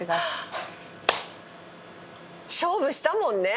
勝負したもんね私たち。